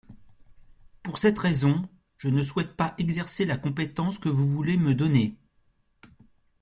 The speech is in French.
Pour cette raison, je ne souhaite pas exercer la compétence que vous voulez me donner.